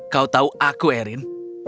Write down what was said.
kau tahu aku erin